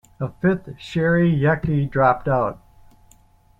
A fifth, Cheri Yecke, dropped out.